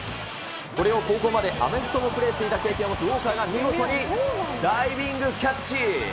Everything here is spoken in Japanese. これを後方までアメフトもプレーしていた経験を持つウォーカーが見事にダイビングキャッチ。